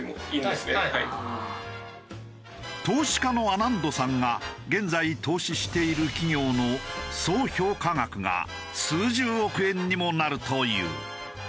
投資家のアナンドさんが現在投資している企業の総評価額が数十億円にもなるという。